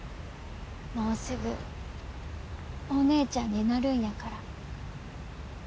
もうすぐお姉ちゃんになるんやから。